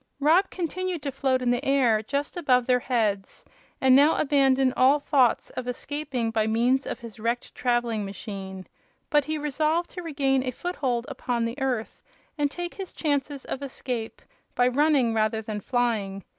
Rob continued to float in the air, just above their heads, and now abandoned all thoughts of escaping by means of his wrecked traveling machine. But he resolved to regain a foothold upon the earth and take his chances of escape by running rather than flying.